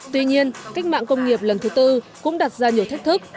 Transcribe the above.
tuy nhiên cách mạng công nghiệp lần thứ tư cũng đặt ra nhiều thách thức